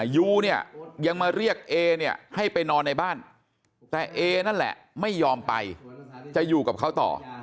ยูเนี่ยยังมาเรียกเอเนี่ยให้ไปนอนในบ้านแต่เอนั่นแหละไม่ยอมไปจะอยู่กับเขาต่อ